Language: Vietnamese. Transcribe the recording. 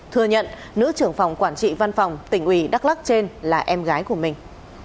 thừa nhận nữ trưởng phòng quản trị văn phòng tỉnh ủy đắk lắc trên là em gái của mình